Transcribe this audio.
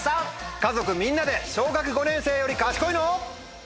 家族みんなで小学５年生より賢いの？